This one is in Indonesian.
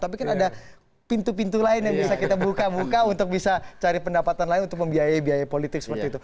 tapi kan ada pintu pintu lain yang bisa kita buka buka untuk bisa cari pendapatan lain untuk membiayai biaya politik seperti itu